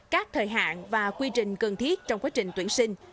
các thời hạn và quy trình cần thiết trong quá trình tuyển sinh